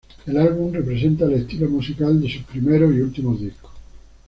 El álbum representa el estilo musical de sus primeros y últimos discos.